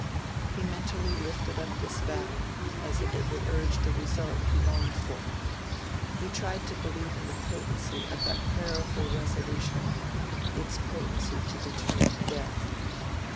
He mentally lifted up this vow as if it would urge the result he longed for—he tried to believe in the potency of that prayerful resolution—its potency to determine death.